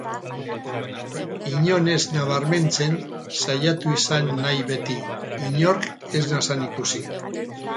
Inon ez nabarmentzen saiatu izan nahi beti, inork ez nazan ikusi.